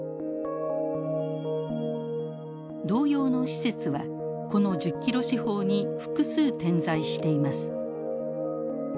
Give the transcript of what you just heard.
同様の施設はこの１０ｋｍ四方に複数点在しています。